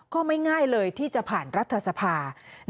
ก็ไม่ง่ายเลยที่จะผ่านรัฐสภา